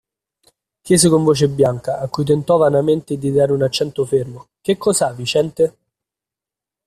Chiese con voce bianca, a cui tentò vanamente di dare un accento fermo: Che cos'ha, Viciente?